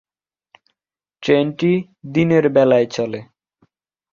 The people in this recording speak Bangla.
ট্রেনটি দিনের বেলায় চলে।